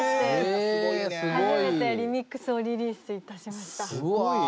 初めてリミックスをリリースいたしました。